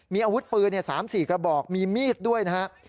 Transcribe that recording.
มีอาวุธปืน๓๔กระบอกมีมีดด้วยนะครับ